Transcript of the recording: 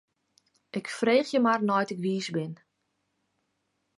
Ik freegje mar nei't ik wiis bin.